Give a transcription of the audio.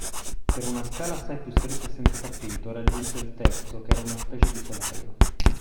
Per una scala assai più stretta e senza tappeto, raggiunse il terzo, che era una specie di solaio.